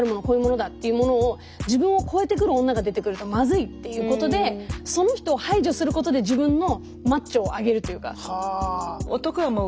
こういうものだっていうものを自分を越えてくる女が出てくるとまずいっていうことでその人を排除することで自分のマッチョを上げるというか。は。